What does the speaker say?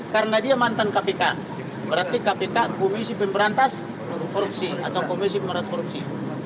karena dia mantan kpk berarti kpk komisi pemberantas korupsi atau komisi pemberantas korupsi